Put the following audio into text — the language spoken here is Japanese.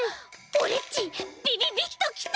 オレっちビビビッときた！